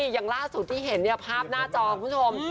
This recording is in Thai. อย่างล่าสุดที่เห็นภาพหน้าจอคุณผู้ชม